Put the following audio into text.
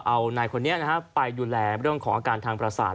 เอานายคนนี้ไปดูแลเรื่องของอาการทางประสาท